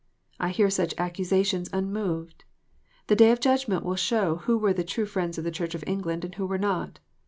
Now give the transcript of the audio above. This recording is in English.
I hear such accusations unmoved. The day of judgment will show who were the true friends of the Church of England and who were not.